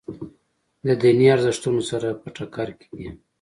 د دیني ارزښتونو سره په ټکر کې دي.